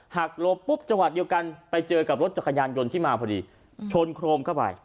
หลบปุ๊บจังหวะเดียวกันไปเจอกับรถจักรยานยนต์ที่มาพอดีชนโครมเข้าไป